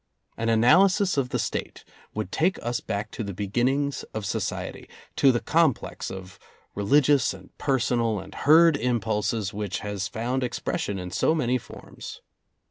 An analysis of the State would take us back to the beginnings of society, to the complex of re ligious and personal and herd impulses which has found expression in so many forms.